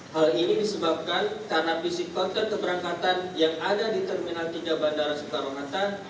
hal ini disebabkan karena fisikotan keberangkatan yang ada di terminal tiga bandara soekarohata